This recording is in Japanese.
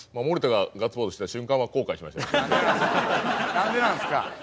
何でなんすか？